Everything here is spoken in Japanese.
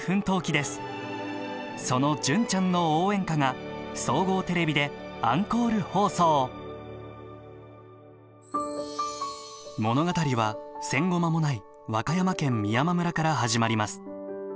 その「純ちゃんの応援歌」が総合テレビでアンコール放送物語は戦後間もない和歌山県美山村から始まります。